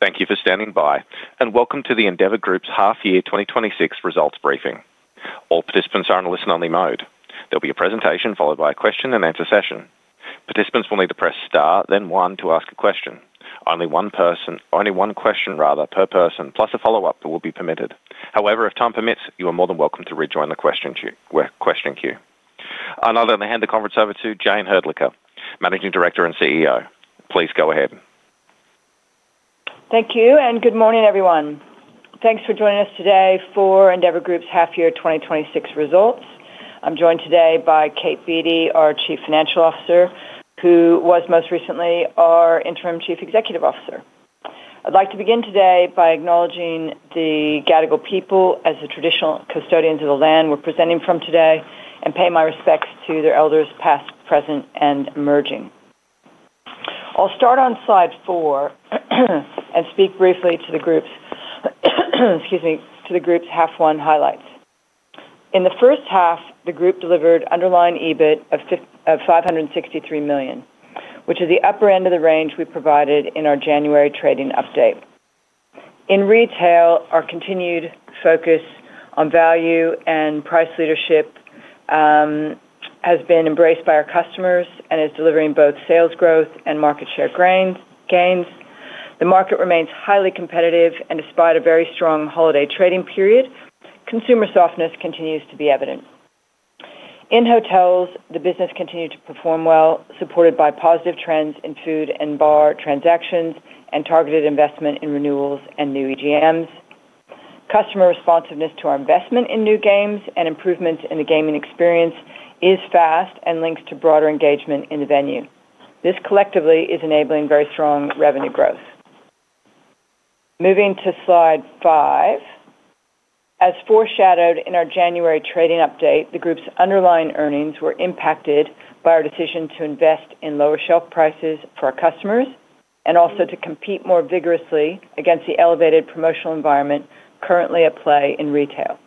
Thank you for standing by. Welcome to the Endeavour Group's half-year 2026 results briefing. All participants are on a listen-only mode. There'll be a presentation followed by a question and answer session. Participants will need to press star, then one to ask a question. Only one question rather per person, plus a follow-up that will be permitted. If time permits, you are more than welcome to rejoin the question queue. I'll now hand the conference over to Jayne Hrdlicka, Managing Director and CEO. Please go ahead. Thank you. Good morning, everyone. Thanks for joining us today for Endeavour Group's half-year 2026 results. I'm joined today by Kate Beattie, our Chief Financial Officer, who was most recently our Interim Chief Executive Officer. I'd like to begin today by acknowledging the Gadigal people as the traditional custodians of the land we're presenting from today and pay my respects to their elders, past, present, and emerging. I'll start on Slide 4 and speak briefly to the group's half one highlights. In the first half, the group delivered underlying EBIT of 563 million, which is the upper end of the range we provided in our January trading update. In retail, our continued focus on value and price leadership has been embraced by our customers and is delivering both sales growth and market share gains. The market remains highly competitive and despite a very strong holiday trading period, consumer softness continues to be evident. In hotels, the business continued to perform well, supported by positive trends in food and bar transactions and targeted investment in renewals and new EGMs. Customer responsiveness to our investment in new games and improvements in the gaming experience is fast and links to broader engagement in the venue. This collectively is enabling very strong revenue growth. Moving to Slide 5. As foreshadowed in our January trading update, the group's underlying earnings were impacted by our decision to invest in lower shelf prices for our customers and also to compete more vigorously against the elevated promotional environment currently at play in retail.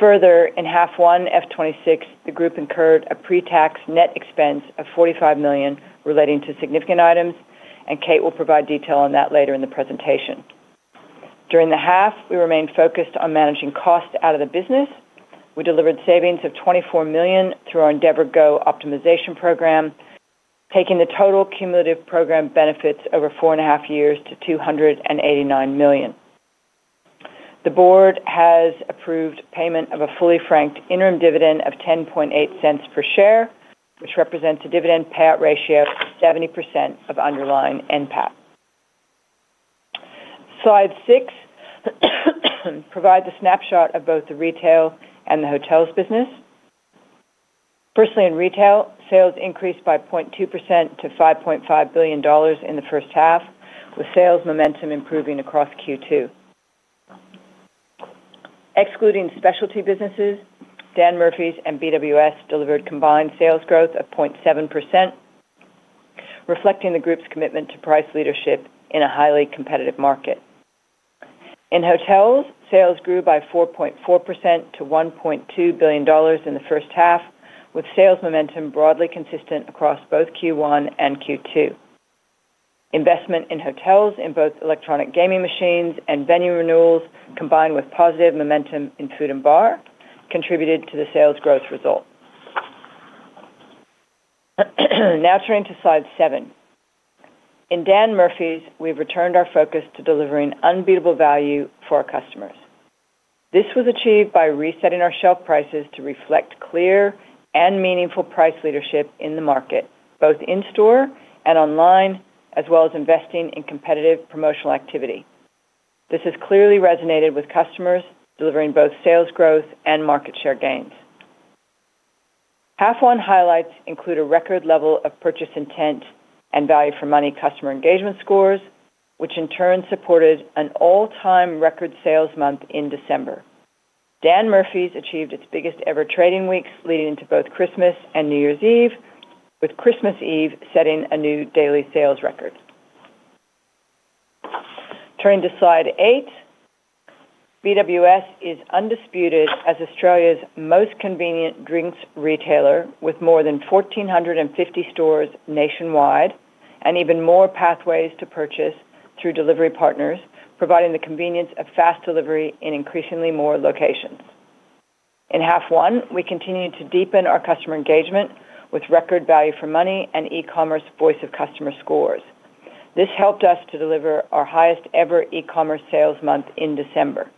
Further, in half one of 2026, the group incurred a pre-tax net expense of 45 million relating to significant items. Kate will provide detail on that later in the presentation. During the half, we remained focused on managing costs out of the business. We delivered savings of 24 million through our endeavourGO optimization program, taking the total cumulative program benefits over 4.5 years to 289 million. The board has approved payment of a fully franked interim dividend of 0.108 per share, which represents a dividend payout ratio of 70% of underlying NPAT. Slide 6 provides a snapshot of both the retail and the hotels business. Firstly, in retail, sales increased by 0.2% to 5.5 billion dollars in the first half, with sales momentum improving across Q2. Excluding specialty businesses, Dan Murphy's and BWS delivered combined sales growth of 0.7%, reflecting the group's commitment to price leadership in a highly competitive market. In hotels, sales grew by 4.4% to 1.2 billion dollars in the first half, with sales momentum broadly consistent across both Q1 and Q2. Investment in hotels in both electronic gaming machines and venue renewals, combined with positive momentum in food and bar, contributed to the sales growth result. Turning to Slide 7. In Dan Murphy's, we've returned our focus to delivering unbeatable value for our customers. This was achieved by resetting our shelf prices to reflect clear and meaningful price leadership in the market, both in-store and online, as well as investing in competitive promotional activity. This has clearly resonated with customers, delivering both sales growth and market share gains. Half one highlights include a record level of purchase intent and value for money customer engagement scores, which in turn supported an all-time record sales month in December. Dan Murphy's achieved its biggest ever trading weeks leading to both Christmas and New Year's Eve, with Christmas Eve setting a new daily sales record. Turning to Slide 8. BWS is undisputed as Australia's most convenient drinks retailer with more than 1,450 stores nationwide and even more pathways to purchase through delivery partners, providing the convenience of fast delivery in increasingly more locations. In half one, we continued to deepen our customer engagement with record value for money and e-commerce voice of customer scores. This helped us to deliver our highest ever e-commerce sales month in December.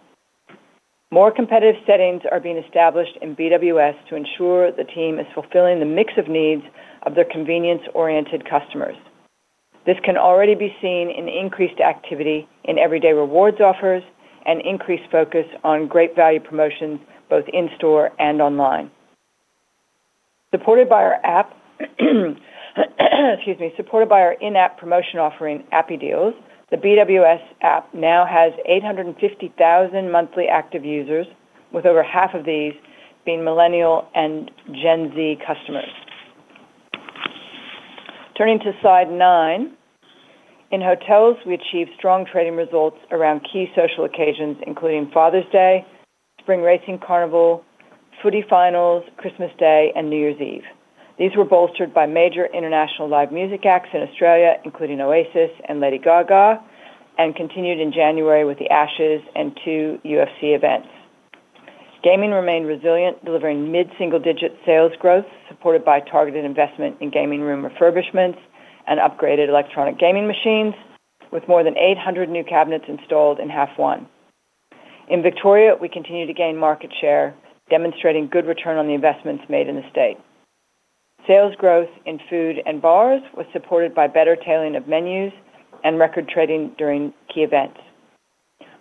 More competitive settings are being established in BWS to ensure the team is fulfilling the mix of needs of their convenience-oriented customers. This can already be seen in increased activity in Everyday Rewards offers and increased focus on great value promotions both in-store and online. Supported by our app, supported by our in-app promotion offering Appy Deals, the BWS app now has 850,000 monthly active users, with over half of these being Millennial and Gen Z customers. Turning to Slide 9. In hotels, we achieved strong trading results around key social occasions, including Father's Day, Spring Racing Carnival, Footy Finals, Christmas Day, and New Year's Eve. These were bolstered by major international live music acts in Australia, including Oasis and Lady Gaga, and continued in January with the Ashes and 2 UFC events. Gaming remained resilient, delivering mid-single-digit sales growth, supported by targeted investment in gaming room refurbishments and upgraded Electronic Gaming Machines, with more than 800 new cabinets installed in half one. In Victoria, we continue to gain market share, demonstrating good return on the investments made in the state. Sales growth in food and bars was supported by better tailoring of menus and record trading during key events.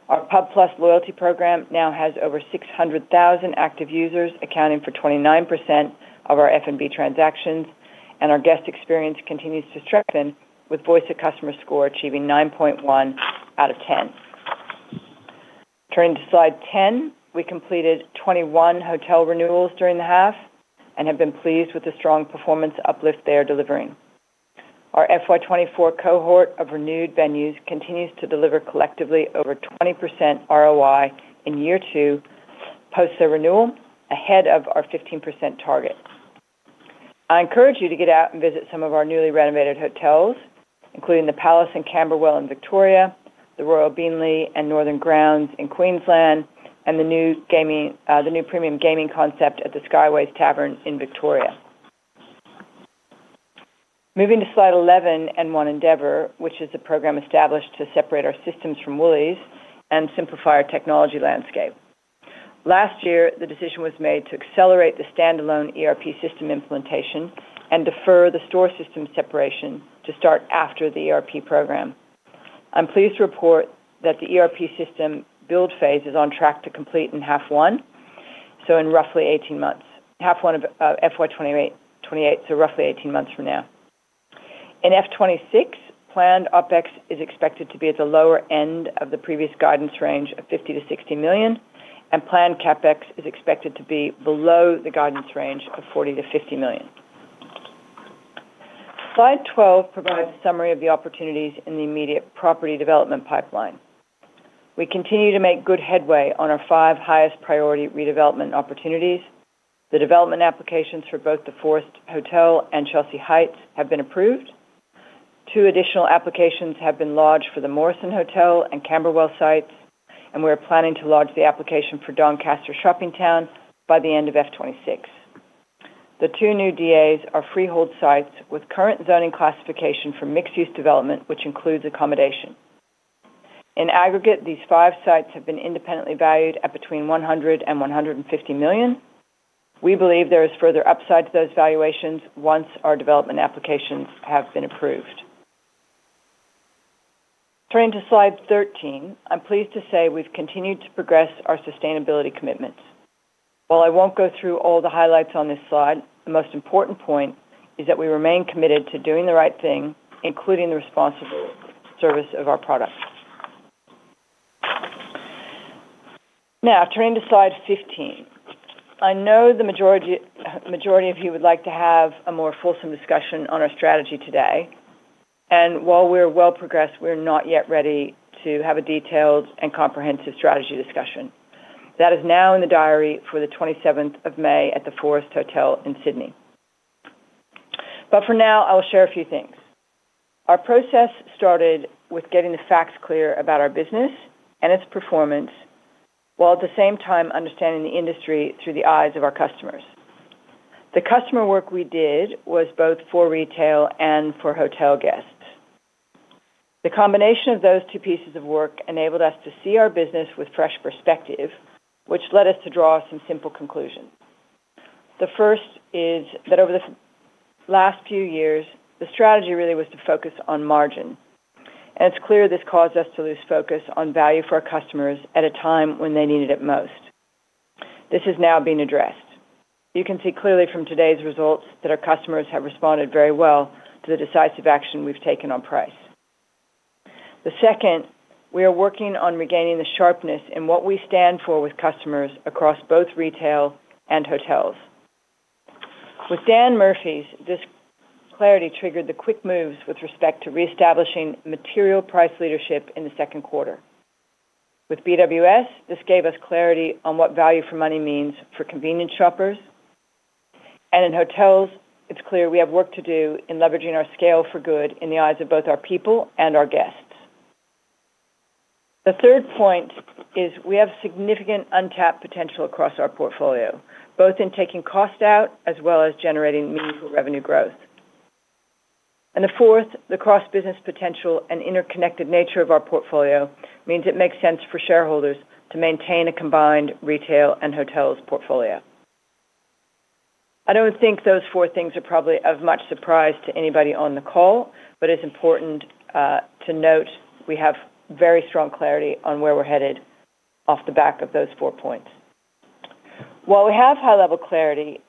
Our pub+ loyalty program now has over 600,000 active users, accounting for 29% of our F&B transactions, and our guest experience continues to strengthen with voice of customer score achieving 9.1 out of 10. Turning to Slide 10, we completed 21 hotel renewals during the half and have been pleased with the strong performance uplift they are delivering. Our FY 2024 cohort of renewed venues continues to deliver collectively over 20% ROI in year 2 post the renewal, ahead of our 15% target. I encourage you to get out and visit some of our newly renovated hotels, including the Palace in Camberwell in Victoria, the Royal Beenleigh and Northern Grounds in Queensland, and the new premium gaming concept at the Skyways Tavern in Victoria. Moving to Slide 11, One Endeavour, which is a program established to separate our systems from Woolies and simplify our technology landscape. Last year, the decision was made to accelerate the standalone ERP system implementation and defer the store system separation to start after the ERP program. I'm pleased to report that the ERP system build phase is on track to complete in half one, so in roughly 18 months. Half one of FY 2028, so roughly 18 months from now. In F 2026, planned OpEx is expected to be at the lower end of the previous guidance range of 50 million-60 million. Planned CapEx is expected to be below the guidance range of 40 million-50 million. Slide 12 provides a summary of the opportunities in the immediate property development pipeline. We continue to make good headway on our five highest priority redevelopment opportunities. The Development Applications for both the Forest Hotel and Chelsea Heights have been approved. Two additional applications have been lodged for the Morrison Hotel and Camberwell sites. We're planning to lodge the application for Doncaster Shopping Town by the end of F 2026. The two new DAs are freehold sites with current zoning classification for mixed-use development, which includes accommodation. In aggregate, these five sites have been independently valued at between 100 million and 150 million. We believe there is further upside to those valuations once our Development Applications have been approved. Turning to Slide 13, I'm pleased to say we've continued to progress our sustainability commitments. While I won't go through all the highlights on this slide, the most important point is that we remain committed to doing the right thing, including the responsible service of our products. Turning to Slide 15. I know the majority of you would like to have a more fulsome discussion on our strategy today. While we're well progressed, we're not yet ready to have a detailed and comprehensive strategy discussion. That is now in the diary for the 27th of May at the Forest Hotel in Sydney. For now, I will share a few things. Our process started with getting the facts clear about our business and its performance, while at the same time understanding the industry through the eyes of our customers. The customer work we did was both for retail and for hotel guests. The combination of those two pieces of work enabled us to see our business with fresh perspective, which led us to draw some simple conclusions. The first is that over the last few years, the strategy really was to focus on margin, and it's clear this caused us to lose focus on value for our customers at a time when they needed it most. This is now being addressed. You can see clearly from today's results that our customers have responded very well to the decisive action we've taken on price. The second, we are working on regaining the sharpness in what we stand for with customers across both retail and hotels. With Dan Murphy's, this clarity triggered the quick moves with respect to reestablishing material price leadership in the second quarter. With BWS, this gave us clarity on what value for money means for convenience shoppers. In hotels, it's clear we have work to do in leveraging our scale for good in the eyes of both our people and our guests. The third point is we have significant untapped potential across our portfolio, both in taking cost out as well as generating meaningful revenue growth. The fourth, the cross-business potential and interconnected nature of our portfolio means it makes sense for shareholders to maintain a combined retail and hotels portfolio. I don't think those 4 things are probably of much surprise to anybody on the call, it's important to note we have very strong clarity on where we're headed off the back of those 4 points. While we have high-level clarity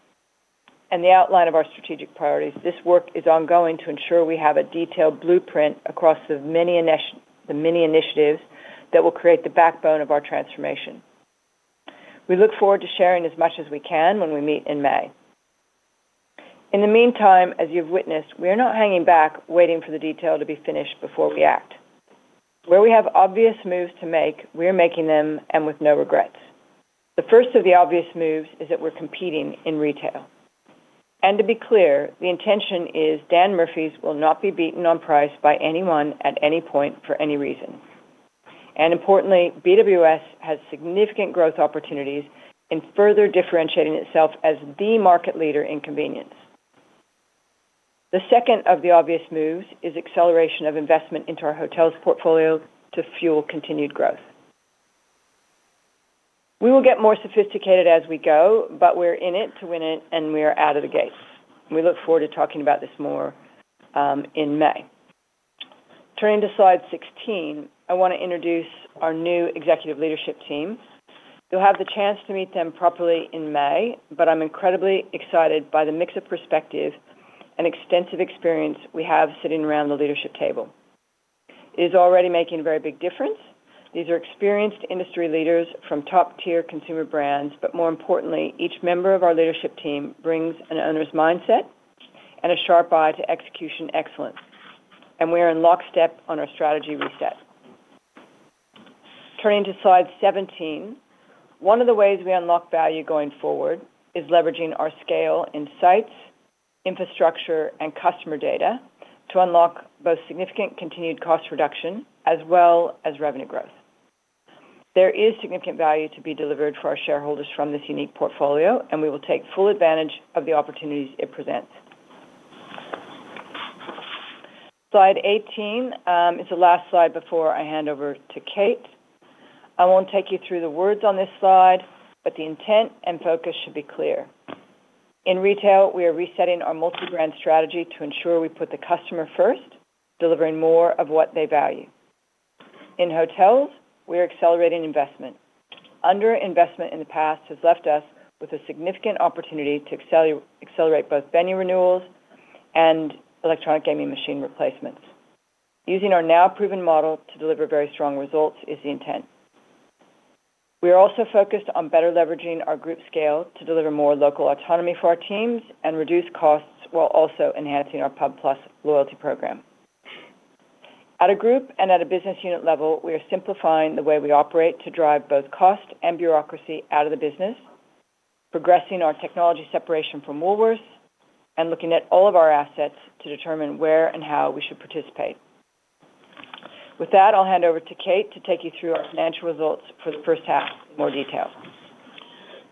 and the outline of our strategic priorities, this work is ongoing to ensure we have a detailed blueprint across the many initiatives that will create the backbone of our transformation. We look forward to sharing as much as we can when we meet in May. In the meantime, as you've witnessed, we are not hanging back waiting for the detail to be finished before we act. Where we have obvious moves to make, we are making them and with no regrets. The first of the obvious moves is that we're competing in retail. To be clear, the intention is Dan Murphy's will not be beaten on price by anyone at any point for any reason. Importantly, BWS has significant growth opportunities in further differentiating itself as the market leader in convenience. The second of the obvious moves is acceleration of investment into our hotels portfolio to fuel continued growth. We will get more sophisticated as we go, but we're in it to win it, and we are out of the gates. We look forward to talking about this more in May. Turning to Slide 16, I wanna introduce our new executive leadership team. You'll have the chance to meet them properly in May, but I'm incredibly excited by the mix of perspective and extensive experience we have sitting around the leadership table. It is already making a very big difference. These are experienced industry leaders from top-tier consumer brands. More importantly, each member of our leadership team brings an owner's mindset and a sharp eye to execution excellence, we are in lockstep on our strategy reset. Turning to Slide 17, one of the ways we unlock value going forward is leveraging our scale in sites, infrastructure, and customer data to unlock both significant continued cost reduction as well as revenue growth. There is significant value to be delivered for our shareholders from this unique portfolio, we will take full advantage of the opportunities it presents. Slide 18 is the last slide before I hand over to Kate. I won't take you through the words on this slide, the intent and focus should be clear. In retail, we are resetting our multi-brand strategy to ensure we put the customer first, delivering more of what they value. In hotels, we are accelerating investment. Underinvestment in the past has left us with a significant opportunity to accelerate both venue renewals and electronic gaming machine replacements. Using our now proven model to deliver very strong results is the intent. We are also focused on better leveraging our group scale to deliver more local autonomy for our teams and reduce costs while also enhancing our pub+ loyalty program. At a group and at a business unit level, we are simplifying the way we operate to drive both cost and bureaucracy out of the business, progressing our technology separation from Woolworths, and looking at all of our assets to determine where and how we should participate. With that, I'll hand over to Kate to take you through our financial results for the first half in more detail.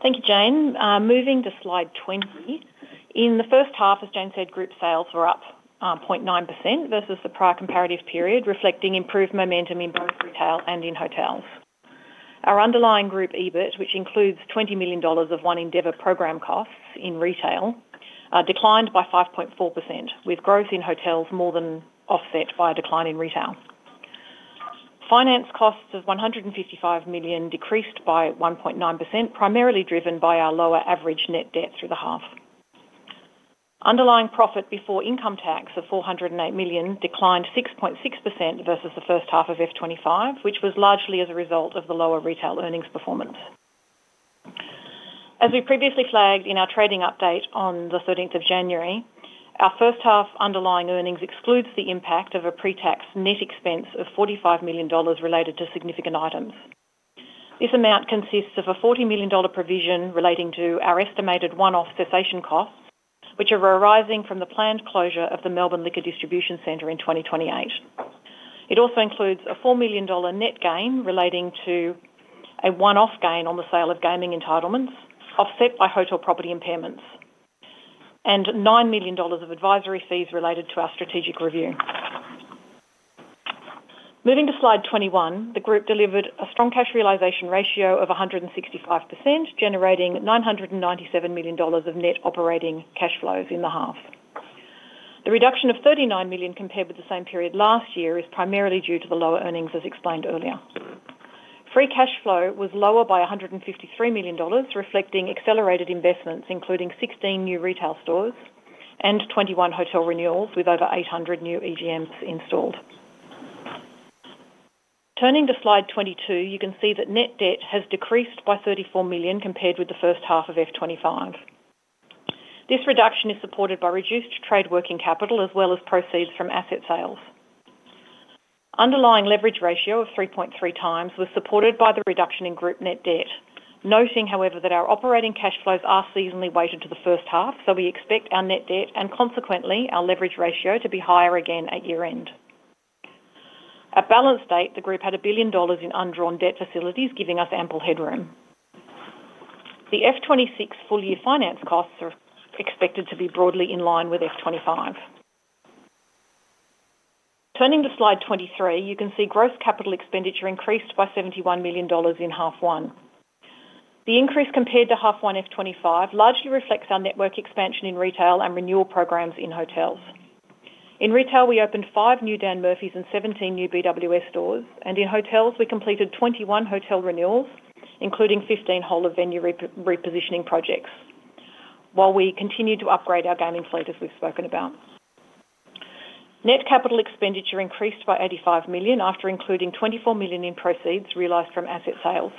Thank you, Jayne. Moving to Slide 20. In the first half, as Jayne said, group sales were up 0.9% versus the prior comparative period, reflecting improved momentum in both retail and in hotels. Our underlying group EBIT, which includes 20 million dollars of One Endeavour program costs in retail, declined by 5.4%, with growth in hotels more than offset by a decline in retail. Finance costs of 155 million decreased by 1.9%, primarily driven by our lower average net debt through the half. Underlying profit before income tax of AUD 408 million declined 6.6% versus the first half of F 2025, which was largely as a result of the lower retail earnings performance. As we previously flagged in our trading update on the 13th of January, our first half underlying earnings excludes the impact of a pre-tax net expense of 45 million dollars related to significant items. This amount consists of a 40 million dollar provision relating to our estimated one-off cessation costs, which are arising from the planned closure of the Melbourne Liquor Distribution Center in 2028. It also includes a 4 million dollar net gain relating to a one-off gain on the sale of gaming entitlements, offset by hotel property impairments, and 9 million dollars of advisory fees related to our strategic review. Moving to Slide 21, the group delivered a strong cash realization ratio of 165%, generating 997 million dollars of net operating cash flows in the half. The reduction of 39 million compared with the same period last year is primarily due to the lower earnings as explained earlier. Free cash flow was lower by 153 million dollars, reflecting accelerated investments including 16 new retail stores and 21 hotel renewals with over 800 new EGMs installed. Turning to Slide 22, you can see that net debt has decreased by 34 million compared with the first half of F 2025. This reduction is supported by reduced trade working capital as well as proceeds from asset sales. Underlying leverage ratio of 3.3x was supported by the reduction in group net debt. Noting, however, that our operating cash flows are seasonally weighted to the first half, so we expect our net debt, and consequently our leverage ratio, to be higher again at year-end. At balance date, the group had 1 billion dollars in undrawn debt facilities, giving us ample headroom. The F 2026 full year finance costs are expected to be broadly in line with F 2025. Turning to Slide 23, you can see gross capital expenditures increased by 71 million dollars in half one. The increase compared to half one F 2025 largely reflects our network expansion in retail and renewal programs in hotels. In retail, we opened five new Dan Murphy's and 17 new BWS stores. In hotels, we completed 21 hotel renewals, including 15 whole-of-venue repositioning projects, while we continued to upgrade our gaming fleet as we've spoken about. Net capital expenditures increased by 85 million, after including 24 million in proceeds realized from asset sales.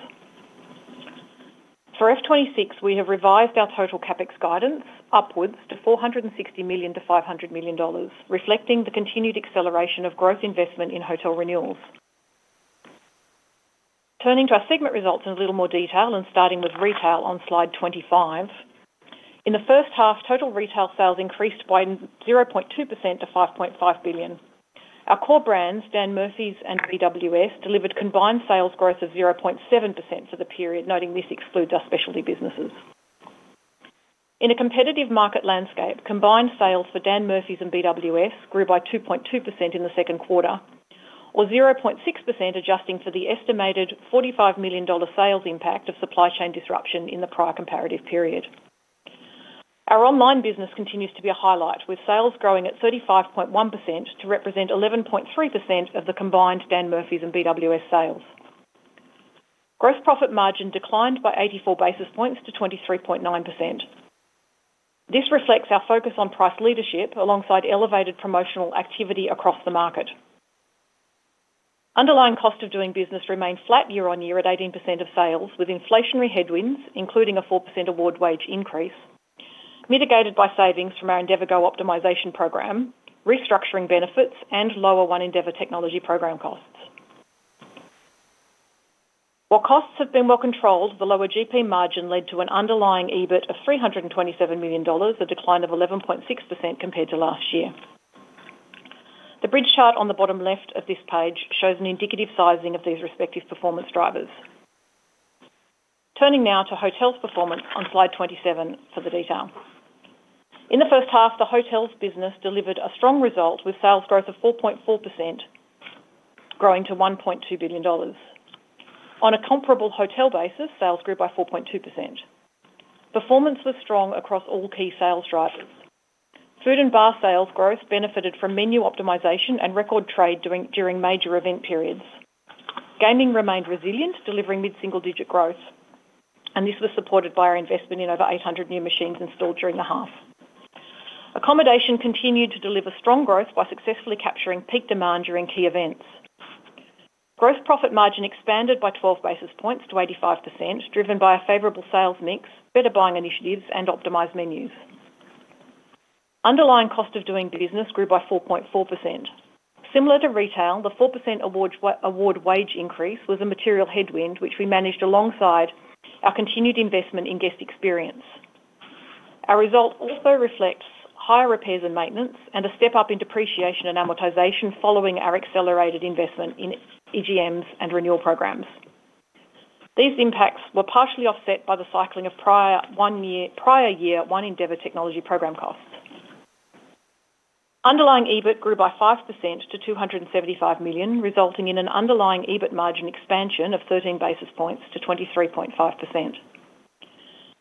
For F2026, we have revised our total CapEx guidance upwards to 460 million-500 million dollars, reflecting the continued acceleration of growth investment in hotel renewals. Turning to our segment results in a little more detail and starting with retail on Slide 25. In the first half, total retail sales increased by 0.2% to 5.5 billion. Our core brands, Dan Murphy's and BWS, delivered combined sales growth of 0.7% for the period, noting this excludes our specialty businesses. In a competitive market landscape, combined sales for Dan Murphy's and BWS grew by 2.2% in the second quarter or 0.6% adjusting for the estimated 45 million dollar sales impact of supply chain disruption in the prior comparative period. Our online business continues to be a highlight, with sales growing at 35.1% to represent 11.3% of the combined Dan Murphy's and BWS sales. Gross profit margin declined by 84 basis points to 23.9%. This reflects our focus on price leadership alongside elevated promotional activity across the market. Underlying cost of doing business remains flat year-on-year at 18% of sales, with inflationary headwinds, including a 4% award wage increase, mitigated by savings from our endeavourGO optimization program, restructuring benefits, and lower One Endeavour technology program costs. Costs have been well controlled, the lower GP margin led to an underlying EBIT of 327 million dollars, a decline of 11.6% compared to last year. The bridge chart on the bottom left of this page shows an indicative sizing of these respective performance drivers. Turning now to hotels performance on Slide 27 for the detail. In the first half, the hotels business delivered a strong result with sales growth of 4.4%, growing to 1.2 billion dollars. On a comparable hotel basis, sales grew by 4.2%. Performance was strong across all key sales drivers. Food and bar sales growth benefited from menu optimization and record trade during major event periods. Gaming remained resilient, delivering mid-single-digit growth. This was supported by our investment in over 800 new machines installed during the half. Accommodation continued to deliver strong growth by successfully capturing peak demand during key events. Gross profit margin expanded by 12 basis points to 85%, driven by a favorable sales mix, better buying initiatives, and optimized menus. Underlying cost of doing business grew by 4.4%. Similar to retail, the 4% award wage increase was a material headwind, which we managed alongside our continued investment in guest experience. Our result also reflects higher repairs and maintenance and a step-up in depreciation and amortization following our accelerated investment in EGMs and renewal programs. These impacts were partially offset by the cycling of prior year One Endeavour technology program costs. Underlying EBIT grew by 5% to 275 million, resulting in an underlying EBIT margin expansion of 13 basis points to 23.5%.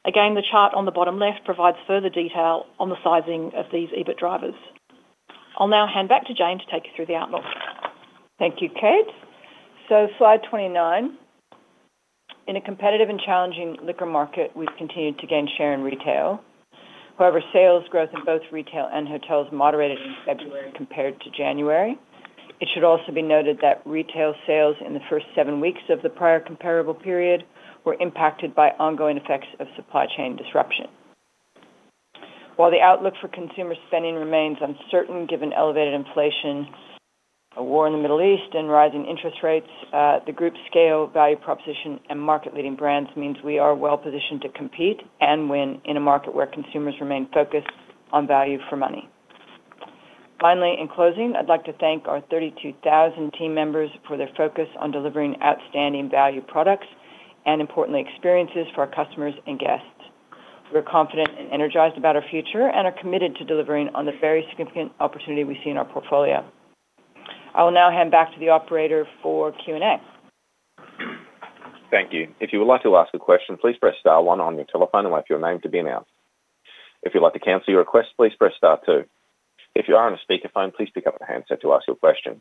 Again, the chart on the bottom left provides further detail on the sizing of these EBIT drivers. I'll now hand back to Jayne to take you through the outlook. Thank you, Kate. Slide 29. In a competitive and challenging liquor market, we've continued to gain share in retail. However, sales growth in both retail and hotels moderated in February compared to January. It should also be noted that retail sales in the first seven weeks of the prior comparable period were impacted by ongoing effects of supply chain disruption. While the outlook for consumer spending remains uncertain, given elevated inflation, a war in the Middle East, and rising interest rates, the group's scale, value proposition, and market-leading brands means we are well-positioned to compete and win in a market where consumers remain focused on value for money. Finally, in closing, I'd like to thank our 32,000 team members for their focus on delivering outstanding value products and, importantly, experiences for our customers and guests. We're confident and energized about our future and are committed to delivering on the very significant opportunity we see in our portfolio. I will now hand back to the operator for Q&A. Thank you. If you would like to ask a question, please press star one on your telephone and wait for your name to be announced. If you'd like to cancel your request, please press star two. If you are on a speakerphone, please pick up the handset to ask your question.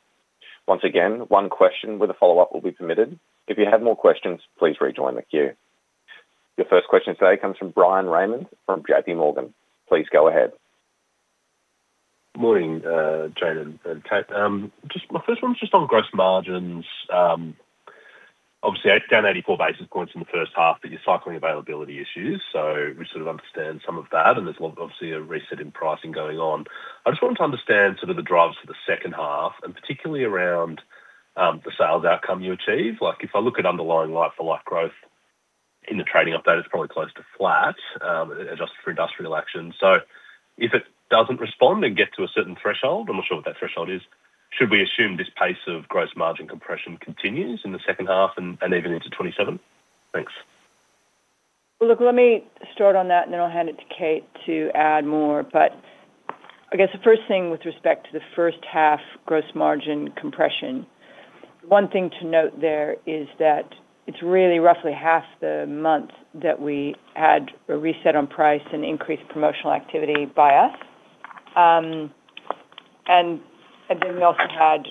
Once again, one question with a follow-up will be permitted. If you have more questions, please rejoin the queue. Your first question today comes from Bryan Raymond from J.P. Morgan. Please go ahead. Morning, Jayne and Kate. Just my first one was just on gross margins. Obviously, it's down 84 basis points in the first half, you're cycling availability issues. We sort of understand some of that, and there's obviously a reset in pricing going on. I just wanted to understand sort of the drivers for the second half and particularly around the sales outcome you achieve. Like, if I look at underlying like-for-like growth in the trading update, it's probably close to flat, adjusted for industrial action. If it doesn't respond and get to a certain threshold, I'm not sure what that threshold is, should we assume this pace of gross margin compression continues in the second half and even into 2027? Thanks. Well, look, let me start on that, then I'll hand it to Kate to add more. I guess the first thing with respect to the first half gross margin compression, one thing to note there is that it's really roughly half the month that we had a reset on price and increased promotional activity by us. Then we also had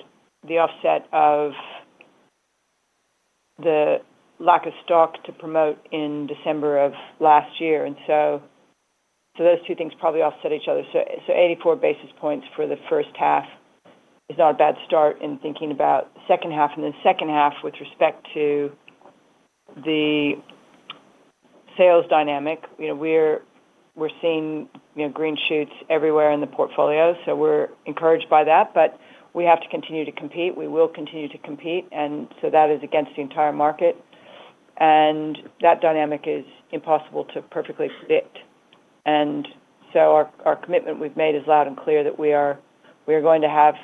the offset of the lack of stock to promote in December of last year. So those two things probably offset each other. So 84 basis points for the first half is not a bad start in thinking about second half. Then second half with respect to the sales dynamic, you know, we're seeing, you know, green shoots everywhere in the portfolio, so we're encouraged by that, but we have to continue to compete. We will continue to compete, and so that is against the entire market. That dynamic is impossible to perfectly fit. Our commitment we've made is loud and clear that we are going to have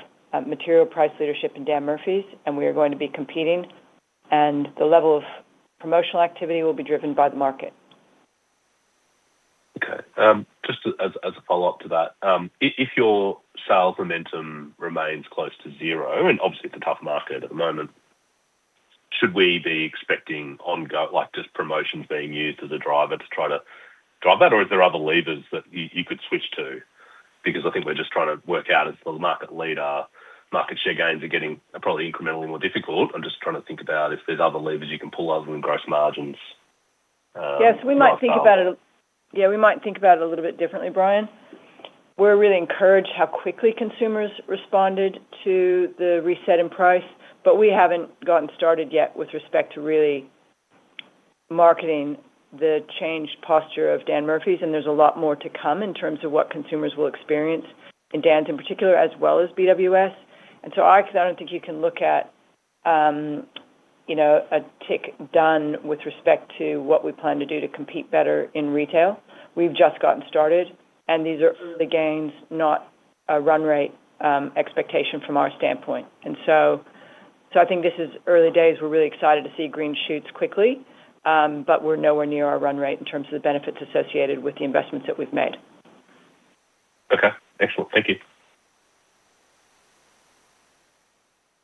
material price leadership in Dan Murphy's, and we are going to be competing, and the level of promotional activity will be driven by the market. Okay. Just as a follow-up to that, if your sales momentum remains close to zero, and obviously it's a tough market at the moment, should we be expecting ongoing, like, just promotions being used as a driver to try to drive that? Or is there other levers that you could switch to? I think we're just trying to work out as the market leader, market share gains are getting probably incrementally more difficult. I'm just trying to think about if there's other levers you can pull other than gross margins. Yes, we might think about it a little bit differently, Bryan. We're really encouraged how quickly consumers responded to the reset in price, but we haven't gotten started yet with respect to really marketing the changed posture of Dan Murphy's, and there's a lot more to come in terms of what consumers will experience in Dan's in particular, as well as BWS. I actually don't think you can look at, you know, a tick done with respect to what we plan to do to compete better in retail. We've just gotten started, and these are early gains, not a run rate, expectation from our standpoint. I think this is early days. We're really excited to see green shoots quickly, but we're nowhere near our run rate in terms of the benefits associated with the investments that we've made. Okay. Excellent. Thank you.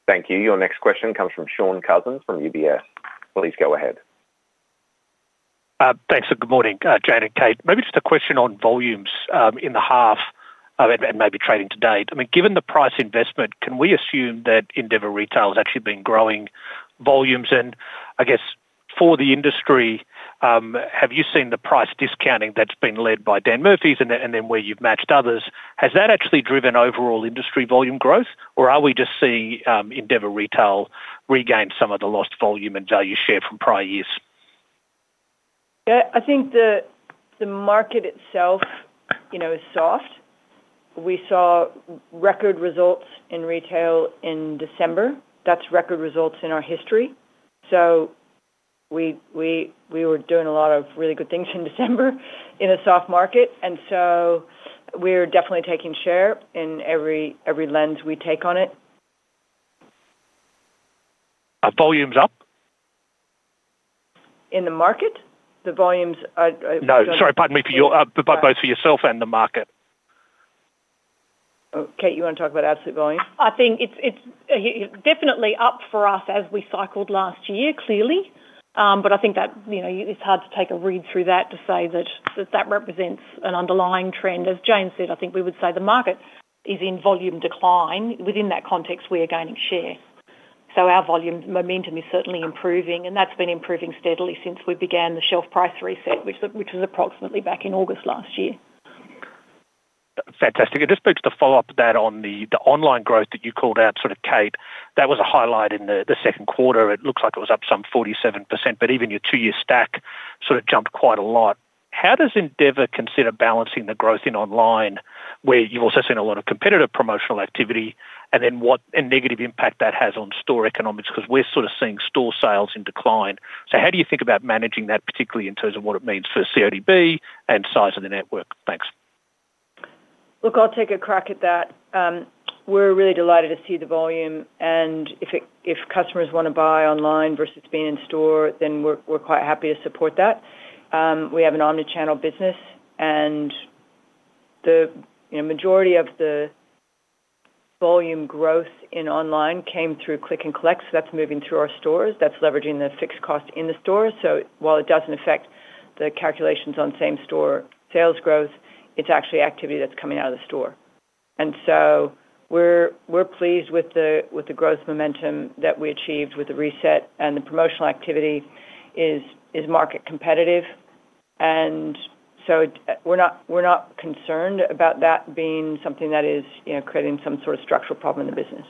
Thank you. Your next question comes from Shaun Cousins from UBS. Please go ahead. Thanks. Good morning, Jayne and Kate. Maybe just a question on volumes in the half, and maybe trading to date. I mean, given the price investment, can we assume that Endeavour Retail has actually been growing volumes? I guess for the industry, have you seen the price discounting that's been led by Dan Murphy's and then, and then where you've matched others, has that actually driven overall industry volume growth, or are we just seeing Endeavour Retail regain some of the lost volume and value share from prior years? Yeah, I think the market itself, you know, is soft. We saw record results in retail in December. That's record results in our history. We were doing a lot of really good things in December in a soft market. We're definitely taking share in every lens we take on it. Are volumes up? In the market? The volumes are. No. Sorry, pardon me. For both for yourself and the market. Kate, you wanna talk about absolute volume? I think it's, you know, definitely up for us as we cycled last year, clearly. I think that, you know, it's hard to take a read through that to say that represents an underlying trend. As Jayne said, I think we would say the market is in volume decline. Within that context, we are gaining share. Our volume momentum is certainly improving, and that's been improving steadily since we began the shelf price reset, which was approximately back in August last year. Fantastic. Just perhaps to follow up that on the online growth that you called out, sort of, Kate, that was a highlight in the second quarter. It looks like it was up some 47%, but even your 2-year stack sort of jumped quite a lot. How does Endeavour consider balancing the growth in online, where you've also seen a lot of competitive promotional activity, and negative impact that has on store economics? We're sort of seeing store sales in decline. How do you think about managing that, particularly in terms of what it means for CODB and size of the network? Thanks. Look, I'll take a crack at that. We're really delighted to see the volume. If customers wanna buy online versus being in store, then we're quite happy to support that. We have an omni-channel business, you know, majority of the volume growth in online came through click and collect. That's moving through our stores. That's leveraging the fixed cost in the stores. While it doesn't affect the calculations on same store sales growth, it's actually activity that's coming out of the store. We're pleased with the growth momentum that we achieved with the reset, and the promotional activity is market competitive. We're not concerned about that being something that is, you know, creating some sort of structural problem in the business.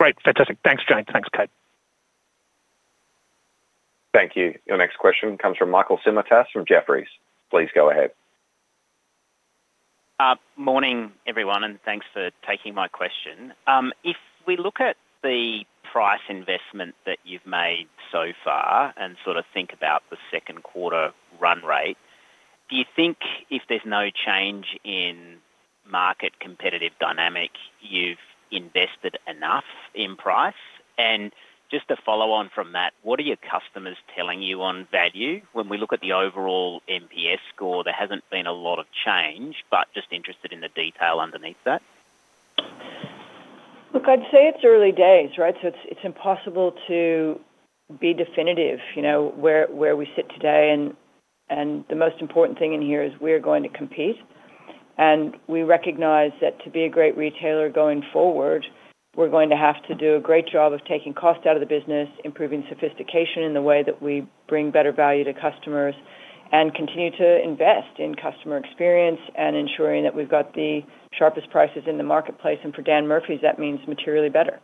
Great. Fantastic. Thanks, Jayne. Thanks, Kate. Thank you. Your next question comes from Michael Simotas from Jefferies. Please go ahead. Morning, everyone, and thanks for taking my question. If we look at the price investment that you've made so far and sort of think about the second quarter run rate, do you think if there's no change in market competitive dynamic, you've invested enough in price? Just to follow on from that, what are your customers telling you on value? When we look at the overall NPS score, there hasn't been a lot of change, but just interested in the detail underneath that. Look, I'd say it's early days, right? It's, it's impossible to be definitive, you know, where we sit today and the most important thing in here is we are going to compete. We recognize that to be a great retailer going forward, we're going to have to do a great job of taking cost out of the business, improving sophistication in the way that we bring better value to customers, and continue to invest in customer experience and ensuring that we've got the sharpest prices in the marketplace. For Dan Murphy's, that means materially better.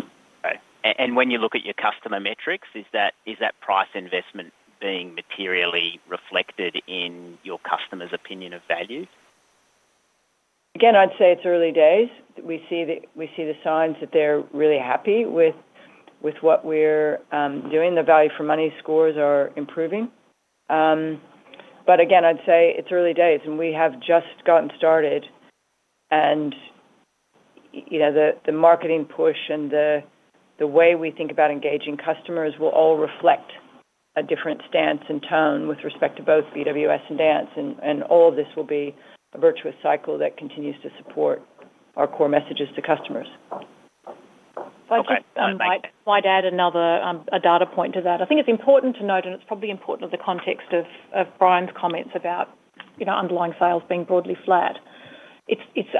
Okay. When you look at your customer metrics, is that price investment being materially reflected in your customer's opinion of value? Again, I'd say it's early days. We see the signs that they're really happy with what we're doing. The value for money scores are improving. Again, I'd say it's early days, and we have just gotten started and you know, the marketing push and the way we think about engaging customers will all reflect a different stance and tone with respect to both BWS and Dan's. All of this will be a virtuous cycle that continues to support our core messages to customers. Okay. All right. Thanks. If I could, might add another data point to that. I think it's important to note, it's probably important in the context of Bryan's comments about, you know, underlying sales being broadly flat.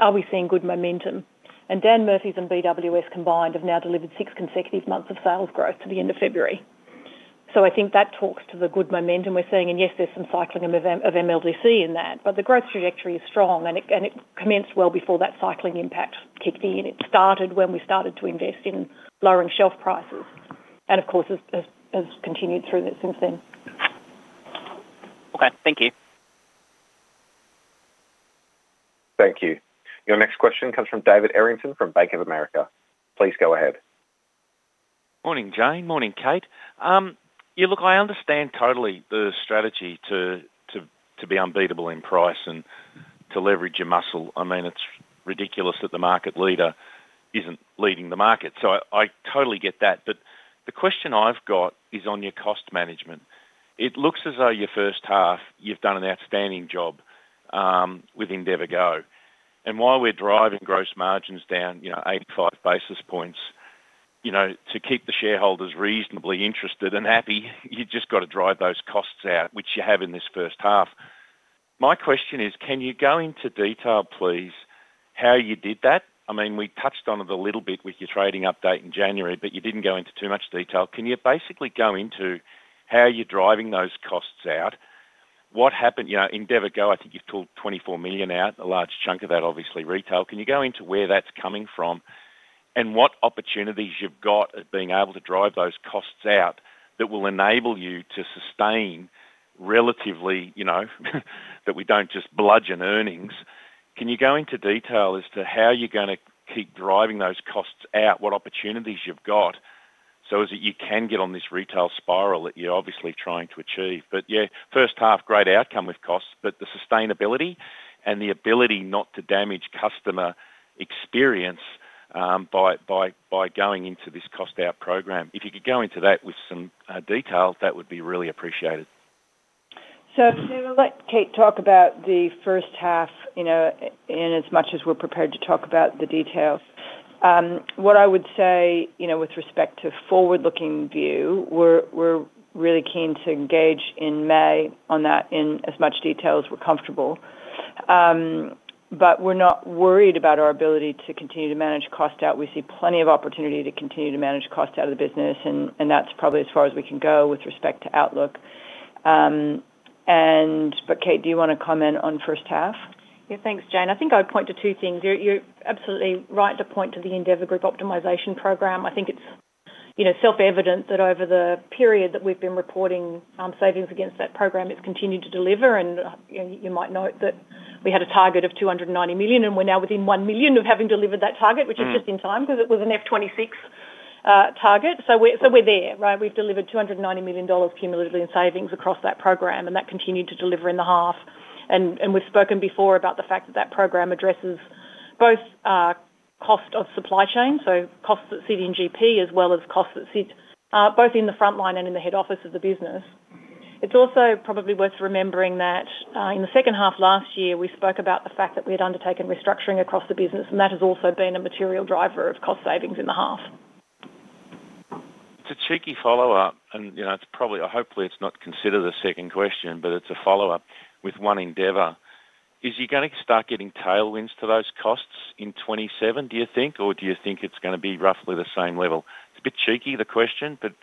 Are we seeing good momentum? Dan Murphy's and BWS combined have now delivered 6 consecutive months of sales growth to the end of February. I think that talks to the good momentum we're seeing. Yes, there's some cycling of MLDC in that, but the growth trajectory is strong and it commenced well before that cycling impact kicked in. It started when we started to invest in lowering shelf prices. Of course, has continued through that since then. Okay. Thank you. Thank you. Your next question comes from David Errington from Bank of America. Please go ahead. Morning, Jayne. Morning, Kate. Yeah, look, I understand totally the strategy to be unbeatable in price and to leverage your muscle. I mean, it's ridiculous that the market leader isn't leading the market. I totally get that. The question I've got is on your cost management. It looks as though your first half you've done an outstanding job with endeavourGO. While we're driving gross margins down, you know, 85 basis points, you know, to keep the shareholders reasonably interested and happy, you just got to drive those costs out, which you have in this first half. My question is, can you go into detail, please, how you did that? I mean, we touched on it a little bit with your trading update in January, but you didn't go into too much detail. Can you basically go into how you're driving those costs out? You know, endeavourGO, I think you've pulled 24 million out, a large chunk of that, obviously, retail. Can you go into where that's coming from and what opportunities you've got at being able to drive those costs out that will enable you to sustain relatively, you know, that we don't just bludgeon earnings. Can you go into detail as to how you're going to keep driving those costs out, what opportunities you've got so as that you can get on this retail spiral that you're obviously trying to achieve. Yeah, first half, great outcome with costs, but the sustainability and the ability not to damage customer experience by going into this cost out program. If you could go into that with some details, that would be really appreciated. I'm gonna let Kate talk about the first half, you know, in as much as we're prepared to talk about the details. What I would say, you know, with respect to forward-looking view, we're really keen to engage in May on that in as much detail as we're comfortable. We're not worried about our ability to continue to manage cost out. We see plenty of opportunity to continue to manage cost out of the business, and that's probably as far as we can go with respect to outlook. Kate, do you wanna comment on first half? Thanks, Jayne. I think I would point to two things. You're absolutely right to point to the Endeavour Group optimization program. I think it's, you know, self-evident that over the period that we've been reporting, savings against that program, it's continued to deliver. You know, you might note that we had a target of 290 million, and we're now within 1 million of having delivered that target, which is just in time because it was an F 2026 target. We're there, right? We've delivered 290 million dollars cumulatively in savings across that program, and that continued to deliver in the half. We've spoken before about the fact that that program addresses both cost of supply chain, so costs that sit in GP as well as costs that sit both in the front line and in the head office of the business. It's also probably worth remembering that in the second half last year, we spoke about the fact that we had undertaken restructuring across the business, and that has also been a material driver of cost savings in the half. It's a cheeky follow-up, and, you know, it's hopefully it's not considered a second question, but it's a follow-up with One Endeavour. Is you gonna start getting tailwinds to those costs in 2027, do you think? Do you think it's gonna be roughly the same level? It's a bit cheeky, the question, but,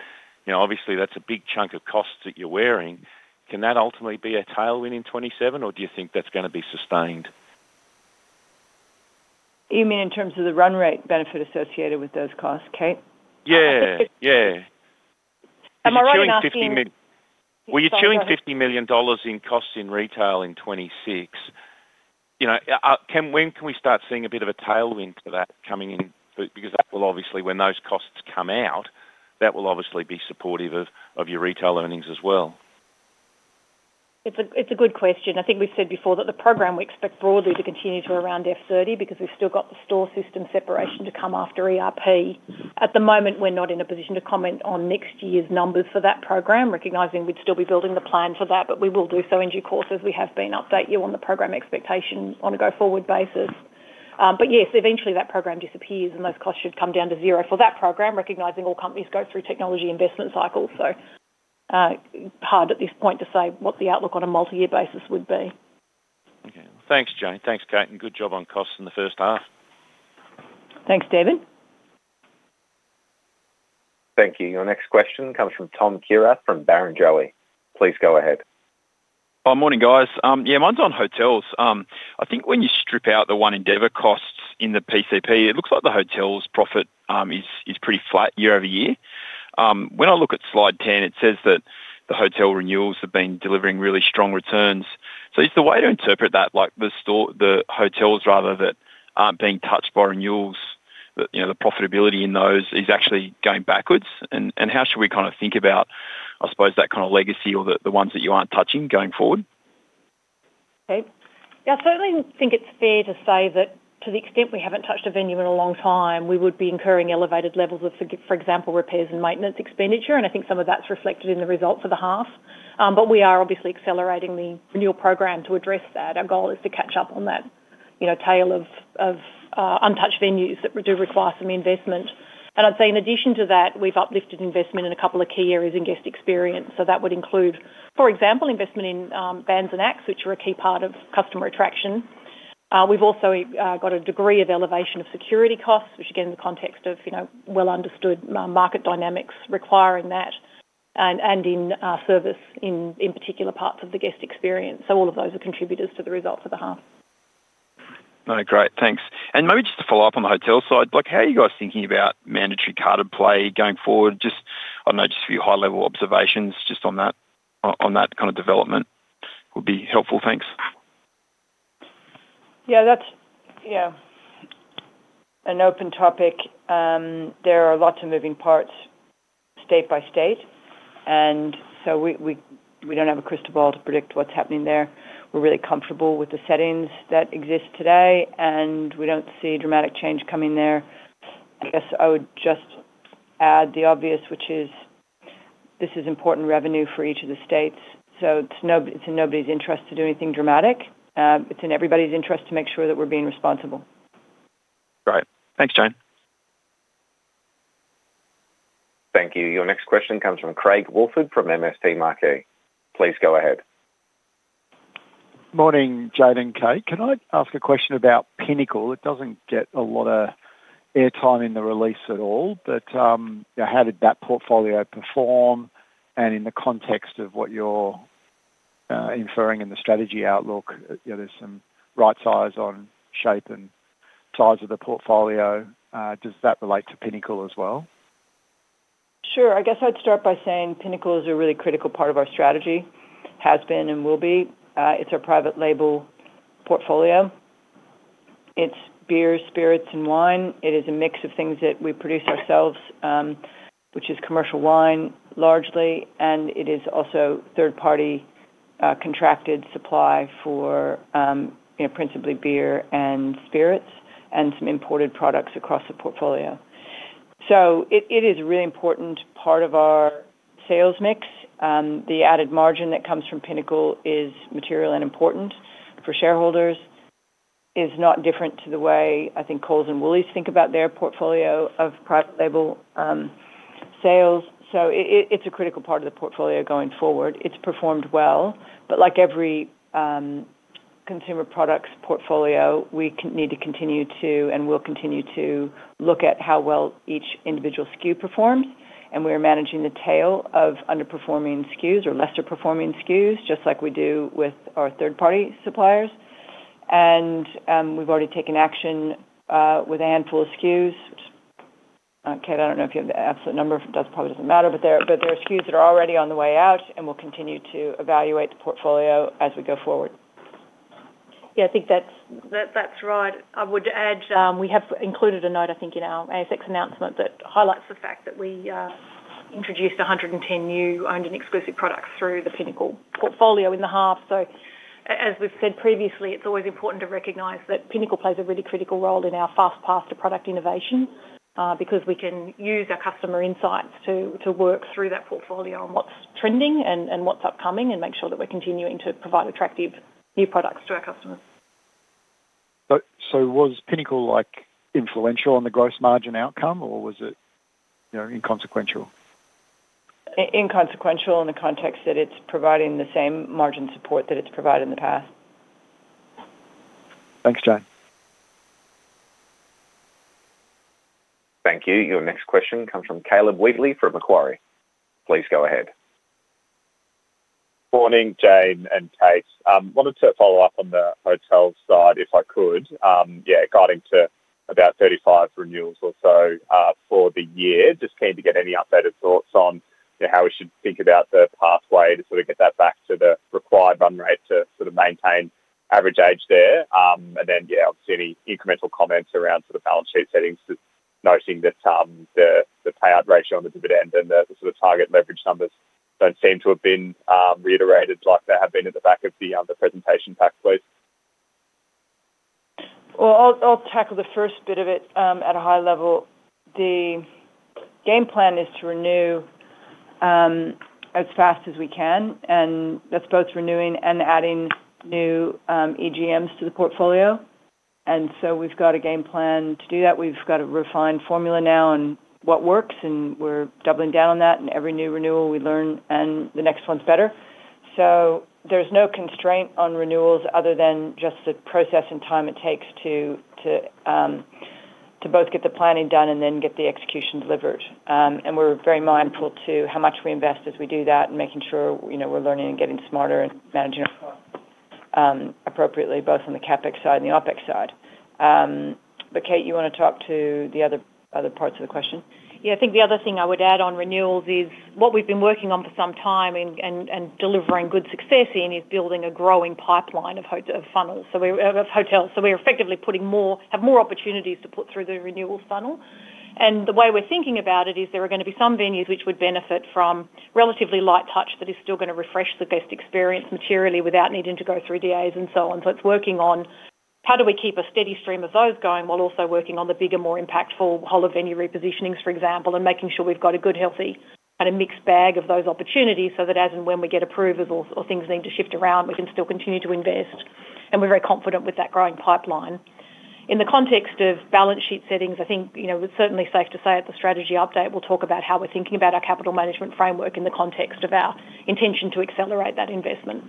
you know, obviously that's a big chunk of costs that you're wearing. Can that ultimately be a tailwind in 2027, or do you think that's gonna be sustained? You mean in terms of the run rate benefit associated with those costs, Kate? Yeah. Yeah. Am I right in asking? Well, you're chewing 50 million dollars in costs in retail in 2026. You know, when can we start seeing a bit of a tailwind to that coming in? Because that will obviously, when those costs come out, that will obviously be supportive of your retail earnings as well. It's a good question. I think we've said before that the program we expect broadly to continue to around F 2030 because we've still got the store system separation to come after ERP. At the moment, we're not in a position to comment on next year's numbers for that program, recognizing we'd still be building the plan for that, but we will do so in due course as we have been, update you on the program expectation on a go-forward basis. Yes, eventually that program disappears and those costs should come down to zero for that program, recognizing all companies go through technology investment cycles. Hard at this point to say what the outlook on a multi-year basis would be. Thanks, Jayne. Thanks, Kate, and good job on costs in the first half. Thanks, David. Thank you. Your next question comes from Tom Kierath from Barrenjoey. Please go ahead. Morning, guys. Yeah, mine's on hotels. I think when you strip out the One Endeavour costs in the PCP, it looks like the hotel's profit is pretty flat year-over-year. When I look at Slide 10, it says that the hotel renewals have been delivering really strong returns. Is the way to interpret that, like, the hotels rather that aren't being touched by renewals, that, you know, the profitability in those is actually going backwards? How should we kind of think about, I suppose, that kind of legacy or the ones that you aren't touching going forward? Okay. Yeah, I certainly think it's fair to say that to the extent we haven't touched a venue in a long time, we would be incurring elevated levels of, for example, repairs and maintenance expenditure. I think some of that's reflected in the results of the half. We are obviously accelerating the renewal program to address that. Our goal is to catch up on that, you know, tail of untouched venues that do require some investment. I'd say in addition to that, we've uplifted investment in a couple of key areas in guest experience. That would include, for example, investment in bands and acts, which are a key part of customer attraction. We've also got a degree of elevation of security costs, which again, in the context of, you know, well understood market dynamics requiring that and in service in particular parts of the guest experience. All of those are contributors to the results of the half. No, great. Thanks. Maybe just to follow up on the hotel side, like how are you guys thinking about mandatory carded play going forward? Just, I don't know, just a few high-level observations just on that kind of development would be helpful. Thanks. Yeah, that's, you know, an open topic. There are lots of moving parts state by state. We don't have a crystal ball to predict what's happening there. We're really comfortable with the settings that exist today, and we don't see dramatic change coming there. I guess I would just add the obvious, which is this is important revenue for each of the states. It's in nobody's interest to do anything dramatic. It's in everybody's interest to make sure that we're being responsible. Great. Thanks, Jayne. Thank you. Your next question comes from Craig Woolford from MST Marquee. Please go ahead. Morning, Jayne and Kate. Can I ask a question about Pinnacle? It doesn't get a lot of air time in the release at all. How did that portfolio perform? In the context of what you're inferring in the strategy outlook, you know, there's some right size on shape and size of the portfolio. Does that relate to Pinnacle as well? Sure. I guess I'd start by saying Pinnacle is a really critical part of our strategy, has been and will be. It's our private label portfolio. It's beer, spirits and wine. It is a mix of things that we produce ourselves, which is commercial wine largely, and it is also third-party contracted supply for, you know, principally beer and spirits and some imported products across the portfolio. It is a really important part of our sales mix. The added margin that comes from Pinnacle is material and important for shareholders. Is not different to the way I think Coles and Woolies think about their portfolio of private label sales. It's a critical part of the portfolio going forward. It's performed well. Like every consumer products portfolio, we need to continue to and will continue to look at how well each individual SKU performs. We're managing the tail of underperforming SKUs or lesser performing SKUs, just like we do with our third-party suppliers. We've already taken action with a handful of SKUs. Kate, I don't know if you have the absolute number. If it does, it probably doesn't matter. There are SKUs that are already on the way out, and we'll continue to evaluate the portfolio as we go forward. I think that's right. I would add, we have included a note, I think, in our ASX announcement that highlights the fact that we introduced 110 new owned and exclusive products through the Pinnacle portfolio in the half. As we've said previously, it's always important to recognize that Pinnacle plays a really critical role in our fast path to product innovation, because we can use our customer insights to work through that portfolio on what's trending and what's upcoming and make sure that we're continuing to provide attractive new products to our customers. Was Pinnacle, like, influential on the gross margin outcome, or was it, you know, inconsequential? Inconsequential in the context that it's providing the same margin support that it's provided in the past. Thanks, Jayne. Thank you. Your next question comes from Caleb Wheatley from Macquarie. Please go ahead. Morning, Jayne and Kate. wanted to follow up on the hotel side, if I could. Guiding to about 35 renewals or so for the year. Just keen to get any updated thoughts on, you know, how we should think about the pathway to sort of get that back to the required run rate to sort of maintain average age there. Obviously any incremental comments around sort of balance sheet settings, just noting that the payout ratio on the dividend and the sort of target leverage numbers don't seem to have been reiterated like they have been at the back of the presentation pack, please. I'll tackle the first bit of it at a high level. The game plan is to renew as fast as we can, that's both renewing and adding new EGMs to the portfolio. We've got a game plan to do that. We've got a refined formula now on what works, and we're doubling down on that. In every new renewal we learn and the next one's better. There's no constraint on renewals other than just the process and time it takes to both get the planning done and then get the execution delivered. We're very mindful to how much we invest as we do that and making sure, you know, we're learning and getting smarter and managing appropriately, both on the CapEx side and the OpEx side. Kate, you wanna talk to the other parts of the question? Yeah. I think the other thing I would add on renewals is what we've been working on for some time and delivering good success in is building a growing pipeline of funnels. Of hotels. We are effectively have more opportunities to put through the renewals funnel. The way we're thinking about it is there are gonna be some venues which would benefit from relatively light touch that is still gonna refresh the best experience materially without needing to go through DAs and so on. It's working on how do we keep a steady stream of those going while also working on the bigger, more impactful whole of venue repositionings, for example, and making sure we've got a good, healthy and a mixed bag of those opportunities so that as and when we get approvals or things need to shift around, we can still continue to invest. We're very confident with that growing pipeline. In the context of balance sheet settings, I think, you know, it's certainly safe to say at the strategy update, we'll talk about how we're thinking about our capital management framework in the context of our intention to accelerate that investment.